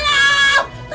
aduh aduh aduh aduh